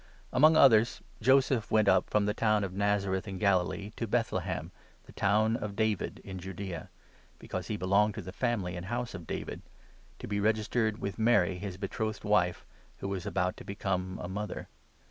Among others Joseph went up from the town 4 of Nazareth in Galilee to Bethlehem, the town of David, in Judaea — because he belonged to the family and house of David — to be registered with Mary, his betrothed wife, 5 who was about to become a mother.